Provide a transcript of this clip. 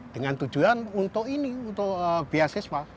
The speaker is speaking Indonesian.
dengan tujuan untuk ini untuk beasiswa